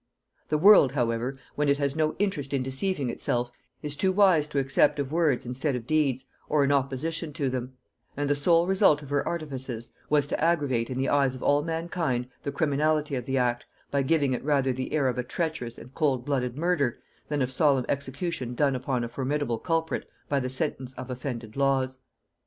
The world, however, when it has no interest in deceiving itself, is too wise to accept of words instead of deeds, or in opposition to them; and the sole result of her artifices was to aggravate in the eyes of all mankind the criminality of the act, by giving it rather the air of a treacherous and cold blooded murder, than of solemn execution done upon a formidable culprit by the sentence of offended laws.